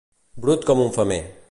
Brut com un femer.